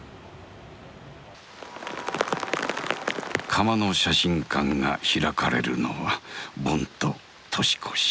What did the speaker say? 「釜の写真館」が開かれるのは盆と年越し。